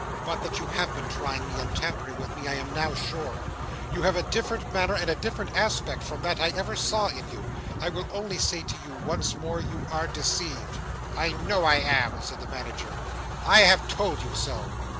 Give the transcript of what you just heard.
But that you have been trying me, and tampering with me, I am now sure. You have a different manner and a different aspect from any that I ever saw in you. I will only say to you, once more, you are deceived." "I know I am," said the Manager. "I have told you so."